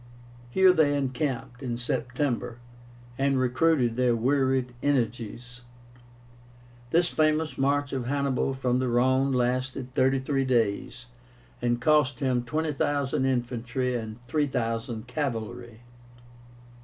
Here they encamped, in September, and recruited their wearied energies. This famous march of Hannibal from the Rhone lasted thirty three days, and cost him 20,000 infantry and 3,000 cavalry.